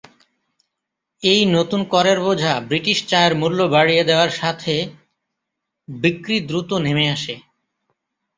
এই নতুন করের বোঝা ব্রিটিশ চায়ের মুল্য বাড়িয়ে দেওয়ার সাথে, বিক্রি দ্রুত নেমে আসে।